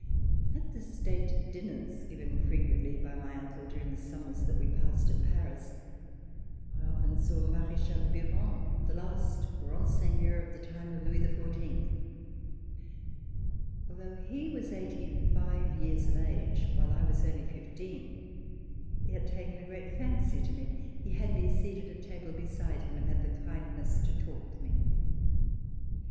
At the State dinners given frequently by my uncle during the summers that we passed at Paris, I often saw Marechal de Biron, the last grand seigneur of the time of Louis XIV. Although he was eighty five years of age, while I was only fifteen, he had taken a great fancy to me. He had me seated at table beside him, and had the kindness to talk with me.